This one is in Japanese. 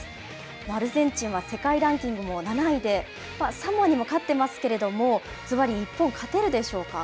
アルゼンチンは世界ランキングも７位で、サモアにも勝ってますけれども、ずばり、日本勝てるでしょうか。